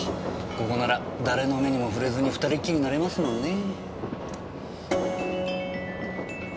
ここなら誰の目にも触れずに２人きりになれますもんね。